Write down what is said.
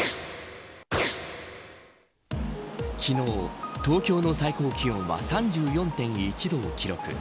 昨日、東京の最高気温は３４．１度を記録。